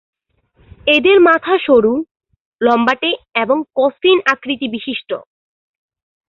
এদের মাথা সরু, লম্বাটে এবং কফিন-আকৃতিবিশিষ্ট।